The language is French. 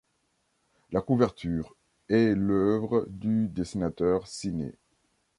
La couverture est l'œuvre du dessinateur Siné.